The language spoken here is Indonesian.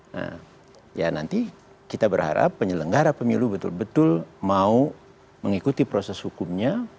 nah ya nanti kita berharap penyelenggara pemilu betul betul mau mengikuti proses hukumnya